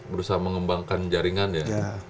berusaha mengembangkan jaringan ya